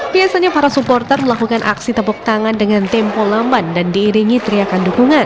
biasanya para supporter melakukan aksi tepuk tangan dengan tempo lamban dan diiringi teriakan dukungan